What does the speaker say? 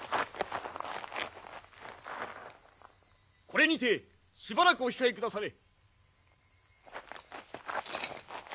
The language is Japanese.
これにてしばらくお控えくだされ。